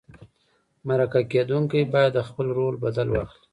مرکه کېدونکی باید د خپل رول بدل واخلي.